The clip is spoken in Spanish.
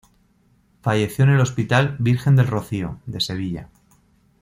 Falleció en el hospital Virgen del Rocío, de Sevilla.